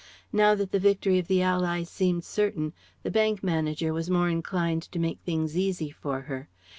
Now that the victory of the Allies seemed certain, the bank manager was more inclined to make things easy for her.